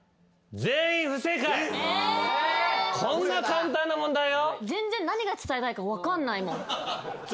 こんな簡単な問題よ。